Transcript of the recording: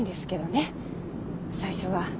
最初は。